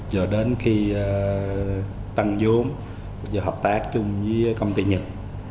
do đến khi tăng giống do hợp tác chung với công ty nhật